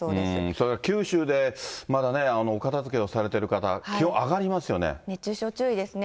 それから九州でまだね、お片づけをされている方、熱中症注意ですね。